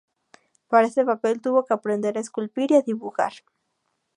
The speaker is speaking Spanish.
Para este papel tuvo que aprender a esculpir y a dibujar.